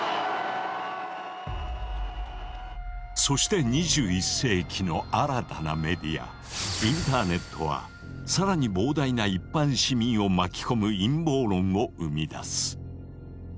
そして２１世紀の新たなメディアインターネットは更に膨大な一般市民を巻き込む陰謀論を生み出す。